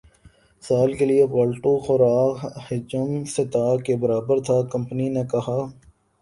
سال کے لیے پالتو خوراک حجم سطح کے برابر تھا کمپنی نے کہا